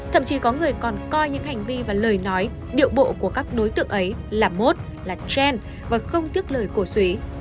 thậm chí có người còn coi những hành vi và lời nói điệu bộ của các đối tượng ấy là mốt là gen và không tiếc lời cổ suý